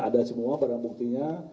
ada semua barang buktinya